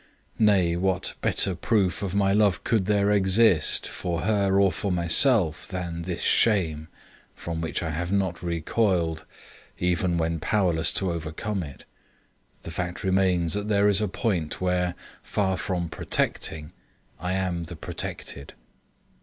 Nay, what better proof of my love could there exist, for her or for myself, than this shame, from which I have not recoiled, even when powerless to overcome it? The fact remains that there is a point where, far from protecting, I am the protected.